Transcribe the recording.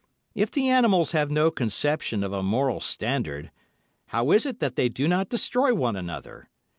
If the animals have no conception of a moral standard, how is it that they do not destroy one another?